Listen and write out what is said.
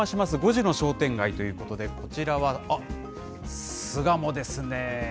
５時の商店街ということで、こちらは巣鴨ですね。